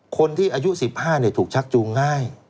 คนที่อายุ๑๕ถูกชักจูงง่าย